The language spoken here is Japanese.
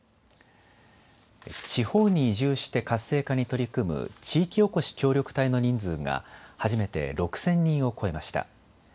地方に移住して活性化に取り組む地域おこし協力隊の人数が初めて６０００人を超えました。